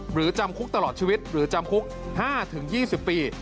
จำคุกตลอดชีวิตหรือจำคุก๕๒๐ปี